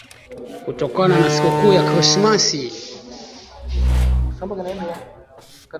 kutokana na siku kuu ya Krismasi